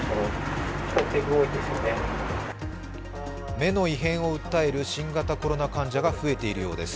目の異変を訴える新型コロナ患者が増えているようです。